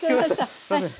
すいません